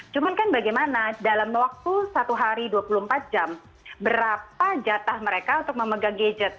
cuma kan bagaimana dalam waktu satu hari dua puluh empat jam berapa jatah mereka untuk memegang gadget